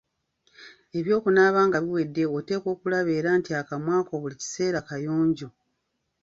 Eby'okunaaba nga biwedde oteekwa okulaba era nti akamwa ko buli kiseera kayonjo.